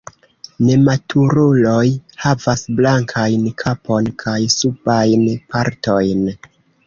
Nematuruloj havas blankajn kapon kaj subajn partojn.